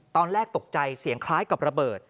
ตอนแรกตกใจเสียงคล้ายกับระเบิด